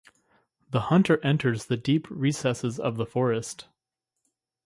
The hunter enters the deep recesses of the forest.